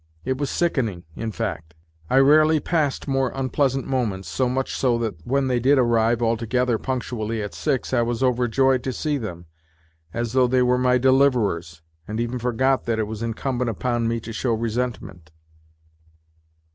It was sickening, in fact. I rarely passed more unpleasant moments, so much so that when they did arrive all together punctually at six I was overjoyed to see them, as though they were my deliverers, and even forgot that it was incumbent upon me to show resentment.